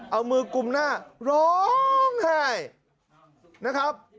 เอามือกลุ่มหน้าร้องไห้นะครับ